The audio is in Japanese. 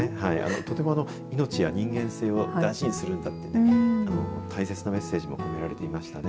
とても命や人間性を歌っている大切なメッセージも込められてましたね。